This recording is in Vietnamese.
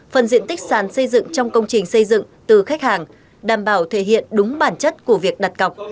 phần diện tích sàn xây dựng trong công trình xây dựng từ khách hàng đảm bảo thể hiện đúng bản chất của việc đặt cọc